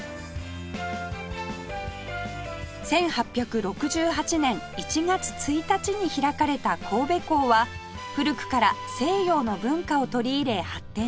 １８６８年１月１日に開かれた神戸港は古くから西洋の文化を取り入れ発展してきました